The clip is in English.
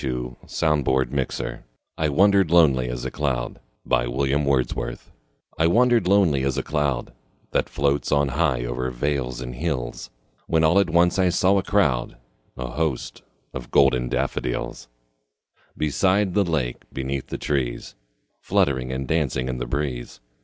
William Wordsworth I Wandered Lonely As a Cloud I WANDERED lonely as a cloud That floats on high o'er vales and hills, When all at once I saw a crowd, A host, of golden daffodils; Beside the lake, beneath the trees, Fluttering and dancing in the breeze.